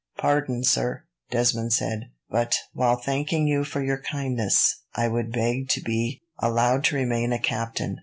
"Pardon, sir," Desmond said, "but, while thanking you for your kindness, I would beg to be allowed to remain a captain.